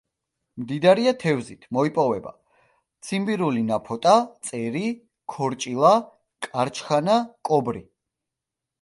მდიდარია თევზით, მოიპოვება: ციმბირული ნაფოტა, წერი, ქორჭილა, კარჩხანა, კობრი.